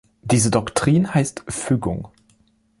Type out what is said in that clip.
Diese Doktrin heißt "Fügung".